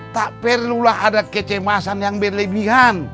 tak perlulah ada kecemasan yang berlebihan